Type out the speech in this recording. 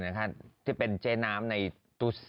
ที่เป็นเจ๊น้ำในตุ๊ส